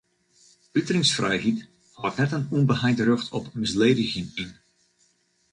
Uteringsfrijheid hâldt net in ûnbeheind rjocht op misledigjen yn.